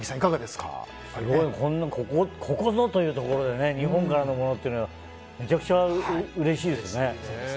すごいこんなここぞというところで日本からのものっていうのはめちゃくちゃうれしいですね。